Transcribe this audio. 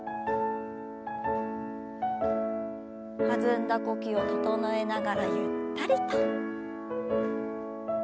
弾んだ呼吸を整えながらゆったりと。